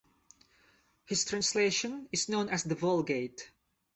His translation is known as the Vulgate.